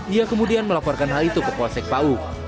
ia kemudian melaporkan hal itu ke polsek pau